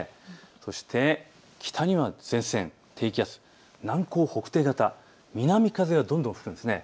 そして北には前線、低気圧、南高北低型、南風がどんどん吹くんです。